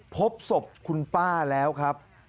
พบศพคุณป้าแล้วครับ